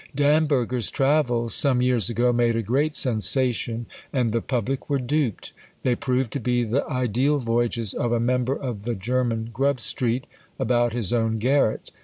Damberger's Travels some years ago made a great sensation and the public were duped; they proved to be the ideal voyages of a member of the German Grub street, about his own garret.